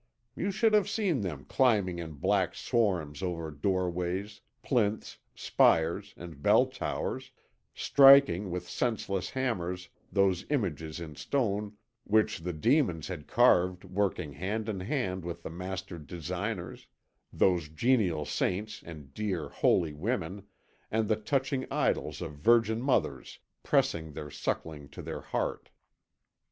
You should have seen them climbing in black swarms over doorways, plinths, spires, and bell towers, striking with senseless hammers those images in stone which the demons had carved working hand in hand with the master designers, those genial saints and dear, holy women, and the touching idols of Virgin Mothers pressing their suckling to their heart.